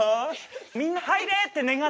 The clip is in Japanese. みんな「入れ！」って願って。